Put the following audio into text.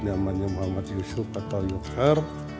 namanya muhammad yusuf atau yofer